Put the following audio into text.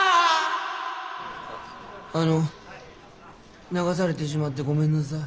あの流されてしまってごめんなさい。